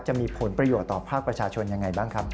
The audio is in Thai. จะมีผลประโยชน์ต่อภาคประชาชนยังไงบ้างครับ